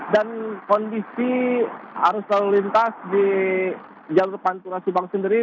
dan kondisi harus lalu lintas di jalur pantura subang sendiri